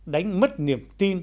đánh mất niềm tin